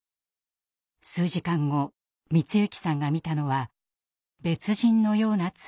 数時間後光行さんが見たのは別人のような妻の姿でした。